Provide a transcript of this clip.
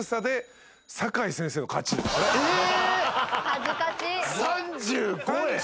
恥ずかしい。